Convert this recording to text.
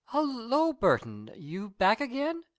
"Hullo, Burton, you back again?"